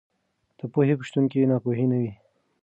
د پوهې په شتون کې ناپوهي نه وي.